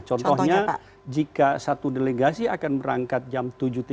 contohnya jika satu delegasi akan berangkat jam tujuh tiga puluh